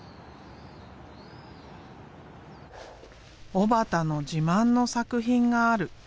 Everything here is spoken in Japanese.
小幡の自慢の作品がある。